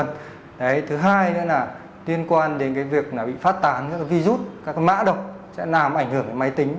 thứ hai nữa là tiên quan đến việc bị phát tán các virus các mã độc sẽ làm ảnh hưởng đến máy tính